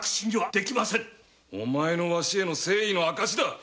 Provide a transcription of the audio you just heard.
お前のワシへの誠意のあかしだ。